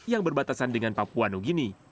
yang berbatasan dengan papua nugini